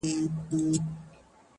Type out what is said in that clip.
كه لاسونه مي پرې كېږي سترگي نه وي.!